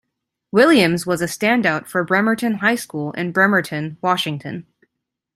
Williams was a standout for Bremerton High School in Bremerton, Washington.